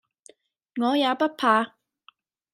我也不怕；